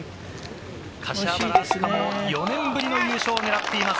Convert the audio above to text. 柏原明日架も４年ぶりの優勝を狙っています。